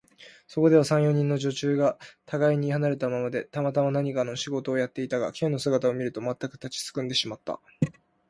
そこでは、三、四人の女中がたがいに離れたままで、たまたま何かの仕事をやっていたが、Ｋ の姿を見ると、まったく立ちすくんでしまった。